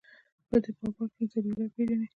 په ده بابا کښې ذبيح الله پېژنې.